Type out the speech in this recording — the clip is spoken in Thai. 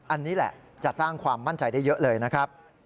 อันนี้แหละจะสร้างความมั่นใจได้เยอะเลยนะครับ